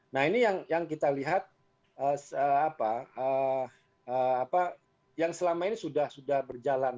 nah ini yang kita lihat yang selama ini sudah berjalan